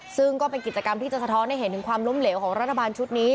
ซึ่งก็เป็นกิจกรรมที่จะสะท้อนให้เห็นถึงความล้มเหลวของรัฐบาลชุดนี้